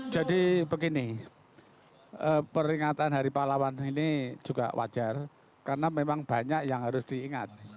jadi begini peringatan hari pahlawan ini juga wajar karena memang banyak yang harus diingat